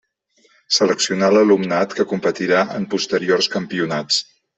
Seleccionar l'alumnat que competirà en posteriors campionats.